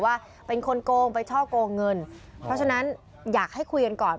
ว่าเป็นคนโกงไปช่อกงเงินเพราะฉะนั้นอยากให้คุยกันก่อน